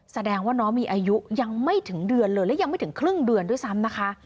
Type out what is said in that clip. แสดงว่าน้องมีอายุยังไม่ถึงเดือนเลยและยังไม่ถึงครึ่งเดือนด้วยซ้ำนะคะ